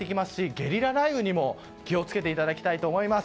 ゲリラ雷雨にも気を付けていただきたいと思います。